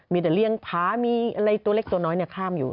มีแต่เลี่ยงพามีอะไรตัวเล็กตัวน้อยข้ามอยู่